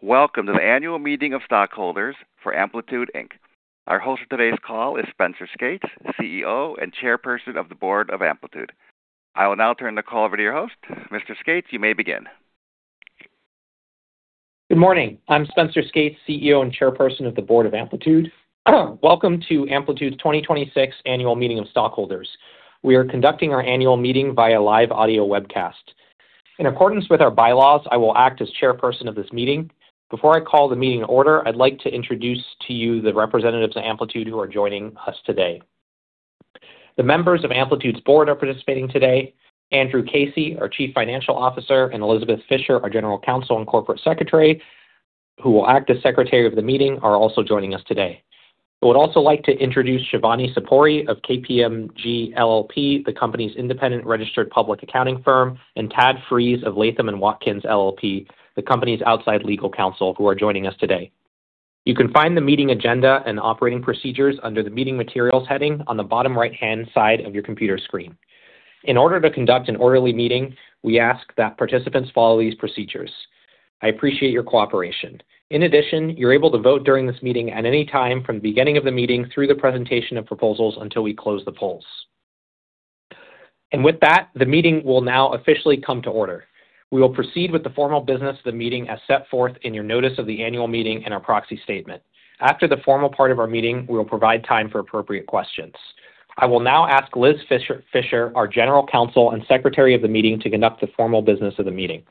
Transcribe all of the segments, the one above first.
Welcome to the annual meeting of stockholders for Amplitude, Inc. Our host for today's call is Spenser Skates, CEO and chairperson of the board of Amplitude. I will now turn the call over to your host. Mr. Skates, you may begin. Good morning. I'm Spenser Skates, CEO and chairperson of the board of Amplitude. Welcome to Amplitude's 2026 Annual Meeting of Stockholders. We are conducting our annual meeting via live audio webcast. In accordance with our bylaws, I will act as chairperson of this meeting. Before I call the meeting to order, I'd like to introduce to you the representatives of Amplitude who are joining us today. The members of Amplitude's board are participating today. Andrew Casey, our Chief Financial Officer, and Elizabeth Fisher, our general counsel and corporate secretary, who will act as secretary of the meeting, are also joining us today. I would also like to introduce Shivani Sopory of KPMG LLP, the company's independent registered public accounting firm, and Tad Freese of Latham & Watkins LLP, the companys outside legal counsel, who are joining us today. You can find the meeting agenda and operating procedures under the meeting materials heading on the bottom right-hand side of your computer screen. In order to conduct an orderly meeting, we ask that participants follow these procedures. I appreciate your cooperation. In addition, you're able to vote during this meeting at any time from the beginning of the meeting through the presentation of proposals until we close the polls. With that, the meeting will now officially come to order. We will proceed with the formal business of the meeting as set forth in your notice of the annual meeting and our proxy statement. After the formal part of our meeting, we will provide time for appropriate questions. I will now ask Liz Fisher, our general counsel and secretary of the meeting, to conduct the formal business of the meeting.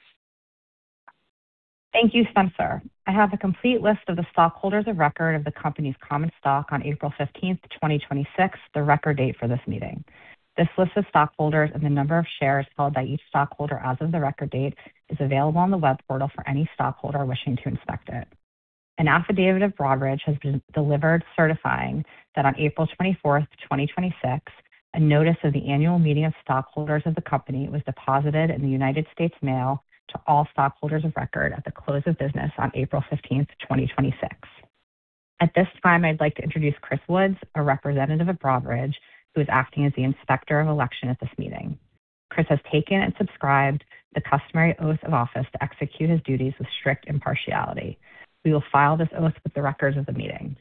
Thank you, Spenser. I have a complete list of the stockholders of record of the company's common stock on April 15, 2026, the record date for this meeting. This list of stockholders and the number of shares held by each stockholder as of the record date is available on the web portal for any stockholder wishing to inspect it. An affidavit of Broadridge has been delivered certifying that on April 24, 2026, a notice of the annual meeting of stockholders of the company was deposited in the United States Mail to all stockholders of record at the close of business on April 15, 2026. At this time, I'd like to introduce Chris Woods, a representative of Broadridge, who is acting as the inspector of election at this meeting. Chris has taken and subscribed the customary oath of office to execute his duties with strict impartiality. We will file this oath with the records of the meeting.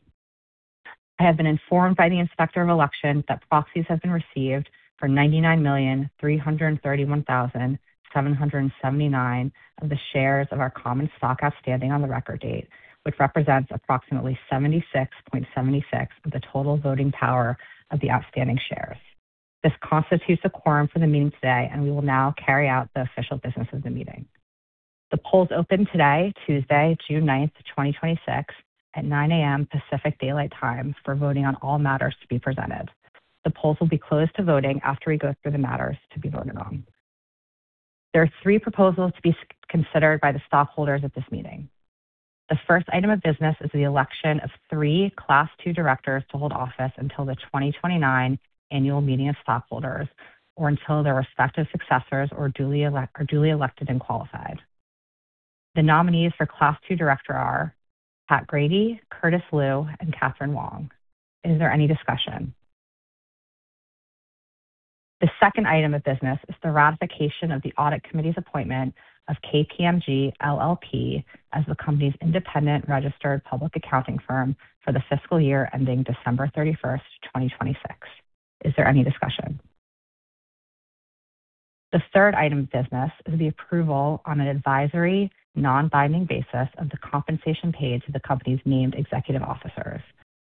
I have been informed by the inspector of election that proxies have been received for 99,331,779 of the shares of our common stock outstanding on the record date, which represents approximately 76.76% of the total voting power of the outstanding shares. This constitutes a quorum for the meeting today, and we will now carry out the official business of the meeting. The polls open today, Tuesday, June 9, 2026, at 9:00 A.M. Pacific Daylight Time for voting on all matters to be presented. The polls will be closed to voting after we go through the matters to be voted on. There are three proposals to be considered by the stockholders at this meeting. The first item of business is the election of three Class 2 directors to hold office until the 2029 annual meeting of stockholders or until their respective successors are duly elected and qualified. The nominees for Class 2 director are Pat Grady, Curtis Liu, and Catherine Wong. Is there any discussion? The second item of business is the ratification of the audit committee's appointment of KPMG LLP as the company's independent registered public accounting firm for the fiscal year ending December 31, 2026. Is there any discussion? The third item of business is the approval on an advisory non-binding basis of the compensation paid to the company's named executive officers.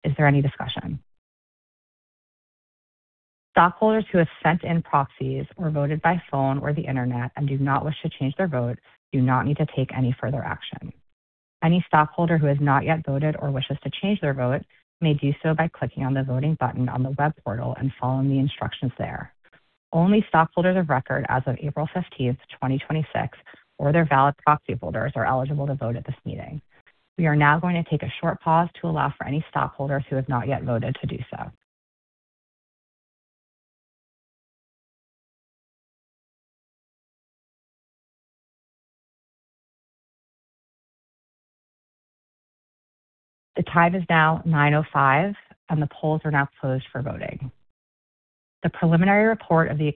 Is there any discussion? Stockholders who have sent in proxies or voted by phone or the Internet and do not wish to change their vote do not need to take any further action. Any stockholder who has not yet voted or wishes to change their vote may do so by clicking on the voting button on the web portal and following the instructions there. Only stockholders of record as of April 15, 2026, or their valid proxy holders are eligible to vote at this meeting. We are now going to take a short pause to allow for any stockholders who have not yet voted to do so. The time is now 9:05, and the polls are now closed for voting. The preliminary report of the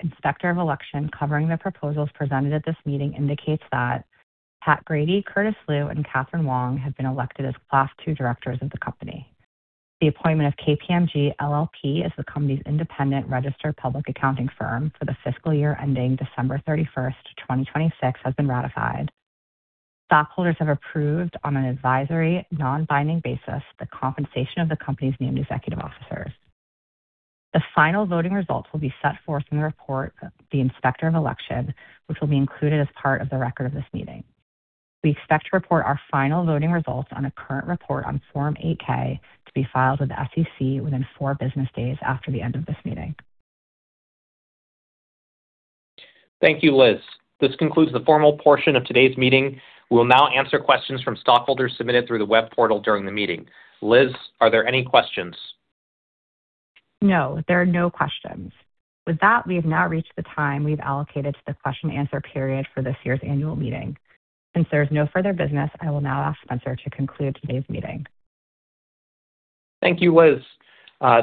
inspector of election covering the proposals presented at this meeting indicates that Pat Grady, Curtis Liu, and Catherine Wong have been elected as Class 2 directors of the company. The appointment of KPMG LLP as the company's independent registered public accounting firm for the fiscal year ending December 31, 2026, has been ratified. Stockholders have approved on an advisory non-binding basis the compensation of the company's named executive officers. The final voting results will be set forth in the report of the inspector of election, which will be included as part of the record of this meeting. We expect to report our final voting results on a current report on Form 8-K to be filed with the SEC within four business days after the end of this meeting. Thank you, Liz. This concludes the formal portion of today's meeting. We will now answer questions from stockholders submitted through the web portal during the meeting. Liz, are there any questions? No, there are no questions. We have now reached the time we've allocated to the question-and-answer period for this year's annual meeting. Since there is no further business, I will now ask Spenser to conclude today's meeting. Thank you, Liz.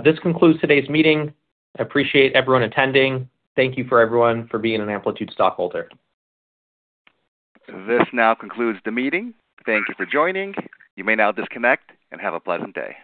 This concludes today's meeting. I appreciate everyone attending. Thank you for everyone for being an Amplitude stockholder. This now concludes the meeting. Thank you for joining. You may now disconnect and have a pleasant day.